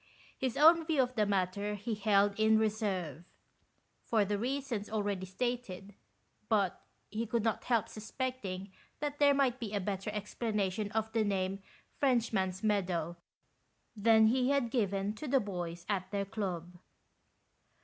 His own view of the matter he held in reserve, for the reasons already stated, but he could not help suspecting that there might be a better explanation of the name " Frenchman's Meadow " than he had given to the boys at their club.